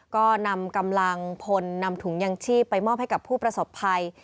ก็นำกำลังพลนำถุงยังชีพไปมอบให้กับผู้ประสบภัย